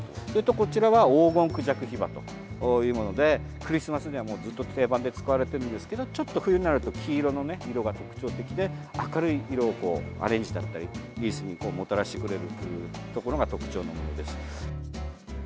こちらがオウゴンクジャクヒバというものでクリスマスにはずっと定番で使われているんですけどちょっと冬になると黄色の色が特徴的で明るい色をアレンジだったりリースにもたらしてくれるところが特徴です。